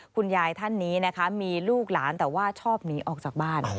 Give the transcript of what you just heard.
คุณยายท่านนี้นะคะมีลูกหลานแต่ว่าชอบหนีออกจากบ้าน